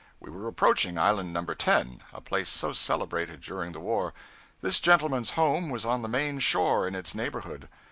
We were approaching Island No. 10, a place so celebrated during the war. This gentleman's home was on the main shore in its neighborhood.